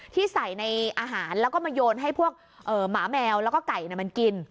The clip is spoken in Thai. ที่ใส่ในอาหารแล้วก็มาโยนให้พวกหมาแมวแล้วก็ไก่มันกิน